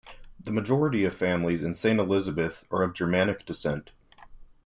The majority of families in Saint Elizabeth are of Germanic descent.